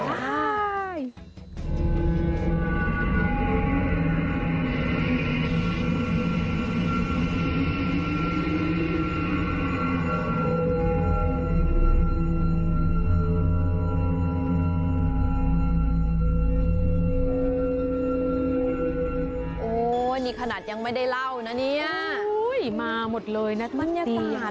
โอ้ยนี่ขนาดยังไม่ได้เล่านะเนี้ยอุ้ยมาหมดเลยนะมันเนี้ยตาด